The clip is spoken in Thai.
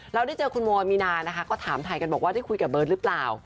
เราได้เจอคุณโมมีนานะคะก็ถามไทยกันบอกว่าได้คุยกับเบิร์ตหรือเปล่า